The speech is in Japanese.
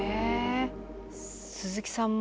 鈴木さんも。